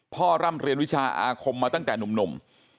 ร่ำเรียนวิชาอาคมมาตั้งแต่หนุ่ม